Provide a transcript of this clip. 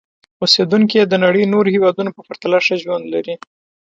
اوسېدونکي یې د نړۍ نورو هېوادونو په پرتله ښه ژوند لري.